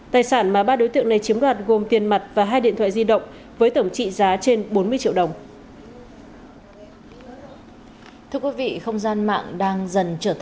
tài sản mà ba đối tượng này chiếm đoạt gồm tiền mặt và hai điện thoại di động với tổng trị giá trên bốn mươi triệu đồng